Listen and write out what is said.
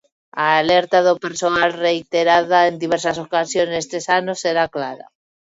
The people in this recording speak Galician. A alerta do persoal, reiterada en diversas ocasións nestes anos, era clara.